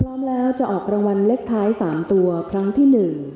พร้อมแล้วจะออกรางวัลเลขท้าย๓ตัวครั้งที่๑